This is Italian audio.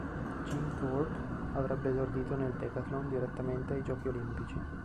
Jim Thorpe avrebbe esordito nel decathlon direttamente ai Giochi olimpici.